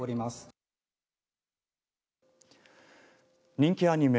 人気アニメ